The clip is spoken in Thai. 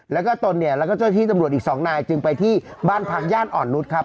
แล้วก็ตนเนี่ยแล้วก็เจ้าที่ตำรวจอีกสองนายจึงไปที่บ้านพักย่านอ่อนนุษย์ครับ